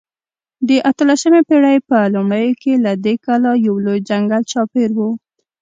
د اتلسمې پېړۍ په لومړیو کې له دې کلا یو لوی ځنګل چاپېر و.